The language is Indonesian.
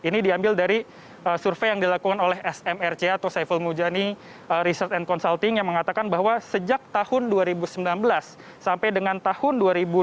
ini diambil dari survei yang dilakukan oleh smrc atau saiful mujani research and consulting yang mengatakan bahwa sejak tahun dua ribu sembilan belas sampai dengan tahun dua ribu dua puluh